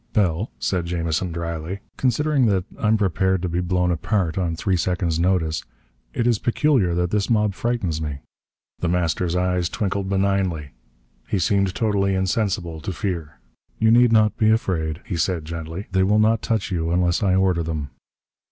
"Bell," said Jamison dryly, "considering that I'm prepared to be blown apart on three seconds notice, it is peculiar that this mob frightens me." The Master's eyes twinkled benignly. He seemed totally insensible to fear. "You need not be afraid," he said gently. "They will not touch you unless I order them."